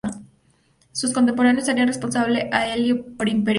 Sus contemporáneos harían responsable a Elío por impericia.